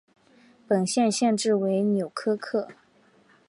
本县县治为纽柯克。